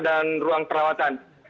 dan ruang perawatan